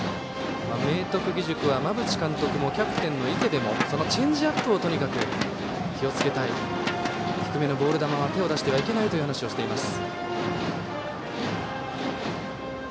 明徳義塾は馬淵監督も、キャプテンの池邉もそのチェンジアップにとにかく気をつけたい低めのボール球は、手を出してはいけないと話しています。